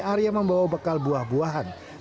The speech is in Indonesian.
arya membawa bekal buah buahan